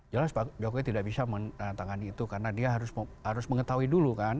jelas pak jokowi tidak bisa menatangani itu karena dia harus mengetahui dulu kan